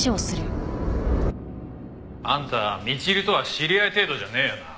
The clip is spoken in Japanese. あんたみちるとは知り合い程度じゃねえよな？